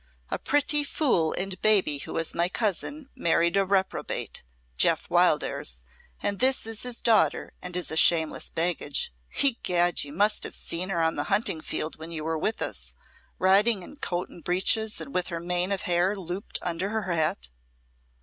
"A pretty fool and baby who was my cousin married a reprobate, Jeof Wildairs, and this is his daughter and is a shameless baggage. Egad! you must have seen her on the hunting field when you were with us riding in coat and breeches and with her mane of hair looped under her hat."